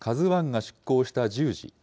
ＫＡＺＵＩが出航した１０時。